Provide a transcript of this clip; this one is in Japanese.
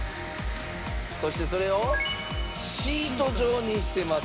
そしてそれをシート状にしてます。